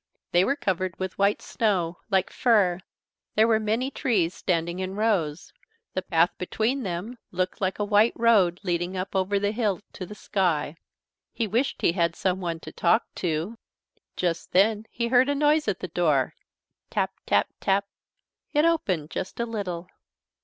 They were covered with white snow like fur. There were many trees standing in rows. The path between them looked like a white road leading up over the hill to the sky. He wished he had someone to talk to. Just then he heard a noise at the door. "Tap, tap, tap" It opened just a little.